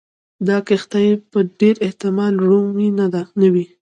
دا کښتۍ په ډېر احتمال رومي نه وې.